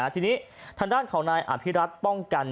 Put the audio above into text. ที่นี้ทางราชเขาหน่ายอภิรัตน์ป้องกัน